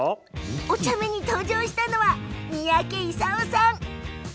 おちゃめに登場したのは三宅功さん。